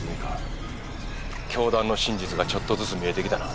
教団の真実がちょっとずつ見えてきたな。